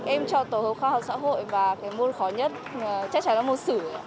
em cho tổ hợp khoa học xã hội và cái môn khó nhất chắc chắn là môn sử